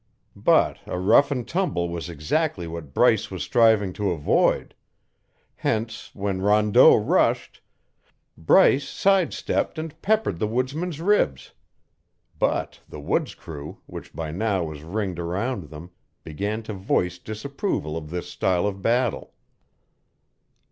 But a rough and tumble was exactly what Bryce was striving to avoid; hence when Rondeau rushed, Bryce side stepped and peppered the woodsman's ribs. But the woods crew, which by now was ringed around them, began to voice disapproval of this style of battle.